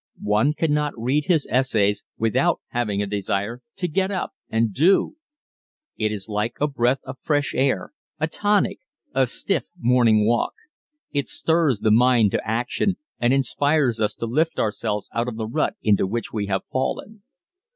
One cannot read his essays without having a desire to get up and do. It is like a breath of fresh air ... a tonic ... a stiff morning walk. It stirs the mind to action and inspires us to lift ourselves out of the rut into which we have fallen.